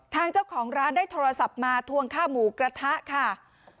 ทางเจ้าของร้านได้โทรศัพท์มาทวงค่าหมูกระทะค่ะ